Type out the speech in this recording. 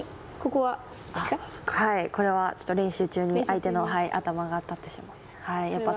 これは練習中に相手の頭が当たってしまって。